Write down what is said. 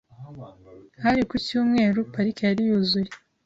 Hari ku cyumweru, parike yari yuzuye .